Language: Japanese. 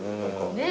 ねえ。